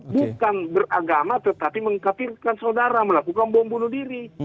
bukan beragama tetapi mengkapirkan saudara melakukan bom bunuh diri